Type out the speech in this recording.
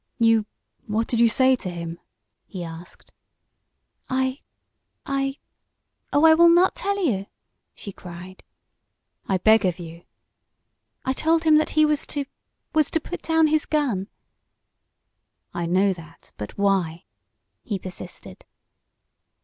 "You what did you say to him?" he asked. "I I oh, I will not tell you," she cried. "I beg of you!" "I told him that he was to was to put down his gun." "I know that, but why?" he persisted.